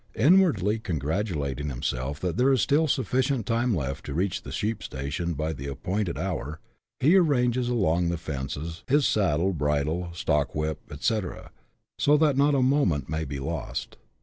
Inwardly congratulating himself that there is still sufficient time left to reach the sheep station by the appointed hour, he arranges along the fence his saddle, bridle, stockwhip, &c., so that not a moment may be lost.